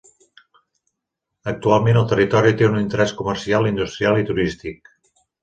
Actualment, el territori té un interès comercial, industrial i turístic.